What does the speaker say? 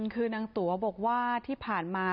คือนางตั๋วบอกว่าที่ผ่านมา